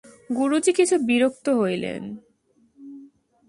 গুরুজি কিছু বিরক্ত হইলেন।